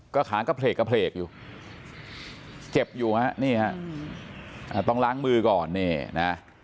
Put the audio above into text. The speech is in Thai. ก็ขางกระเพลกกระเพลกอยู่เจ็บอยู่นะครับต้องล้างมือก่อน